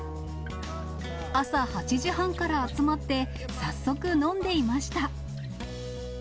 朝８時半から集まって、早速飲んでいました。